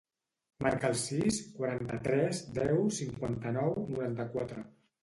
Marca el sis, quaranta-tres, deu, cinquanta-nou, noranta-quatre.